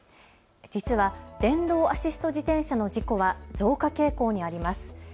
実は電動アシスト自転車の事故は増加傾向にあります。